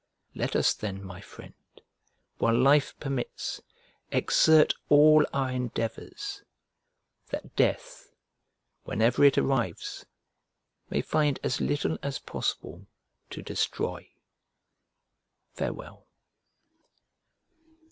Let us then, my friend, while life permits, exert all our endeavours, that death, whenever it arrives, may find as little as possible to destroy. Farewell.